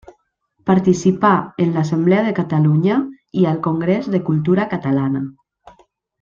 Participà en l'Assemblea de Catalunya i al Congrés de Cultura Catalana.